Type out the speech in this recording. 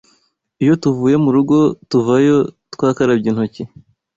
Iyo tuvuye murugo tuvayo twakarabye intoki